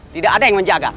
tidak ada yang menjaga